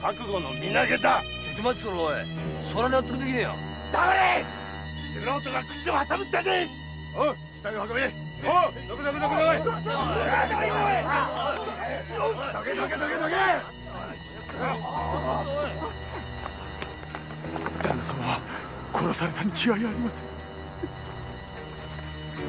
旦那様は殺されたに違いありません。